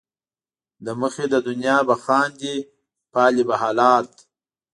له مخې د دنیا به خاندې ،پالې به حالات